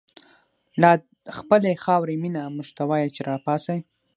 لادخپلی خاوری مینه، موږ ته وایی چه راپاڅئ